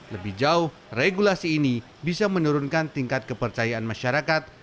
lebih jauh regulasi ini bisa menurunkan tingkat kepercayaan masyarakat